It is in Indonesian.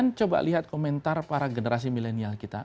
kita coba lihat komentar para generasi milenial kita